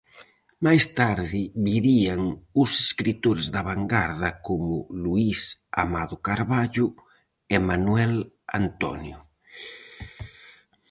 Máis tarde virían os escritores da vangarda como Luis Amado Carballo e Manuel Antonio.